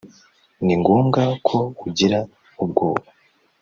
ni ngombwa ko ugira ubwoba